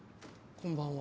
こんばんは。